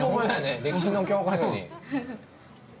歴史の教科書に。